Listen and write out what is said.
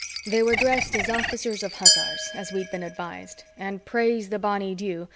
They were dressed as officers of hussars, as we'd been advised, and praise the Bonny Dew!